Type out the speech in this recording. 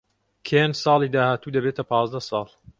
کێن ساڵی داهاتوو دەبێتە پازدە ساڵ.